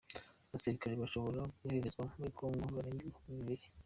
Abasirikare bashobora koherezwa muri kongo barenga ibihumbi bibiri